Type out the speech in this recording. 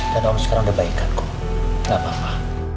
dan sekarang udah baikanku gak apa apa